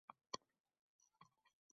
Xuddi katta jinoyatchini ushlagan.